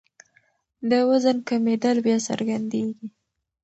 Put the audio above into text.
د وزن کمېدل بیا څرګندېږي.